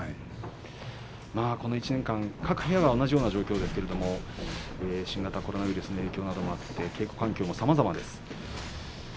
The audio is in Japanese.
この１年間各部屋とも同じ状況ですが新型コロナウイルスの影響もあって稽古環境もさまざまです。